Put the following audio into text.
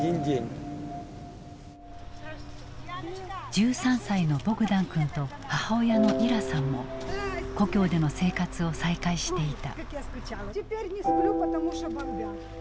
・・１３歳のボグダン君と母親のイラさんも故郷での生活を再開していた。